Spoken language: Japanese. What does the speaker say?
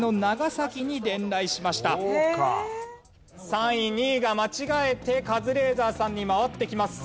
３位２位が間違えてカズレーザーさんに回ってきます。